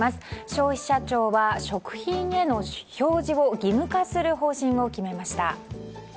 消費者庁は食品への表示を義務化する方針を決めました。